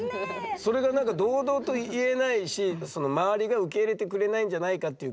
それがなんか堂々と言えないし周りが受け入れてくれないんじゃないかっていう空気。